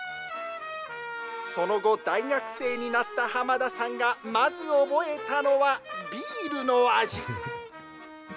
その後、大学生になった濱田さんがまず覚えたのは、ビールの味。